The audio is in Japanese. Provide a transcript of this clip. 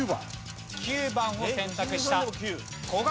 ９番を選択した。